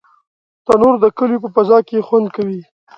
تنور د کلیو په فضا کې خوند کوي